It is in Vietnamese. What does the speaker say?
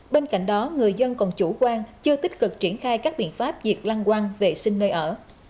bên cạnh đó người dân còn chủ quan chưa tích cực triển khai các biện pháp diệt lăng quăng vệ sinh nơi ở